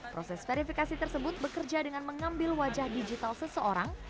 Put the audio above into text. proses verifikasi tersebut bekerja dengan mengambil wajah digital seseorang